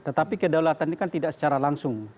tetapi kedaulatan ini kan tidak secara langsung